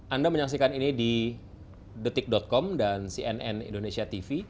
anda menyaksikan ini di detik com dan cnn indonesia tv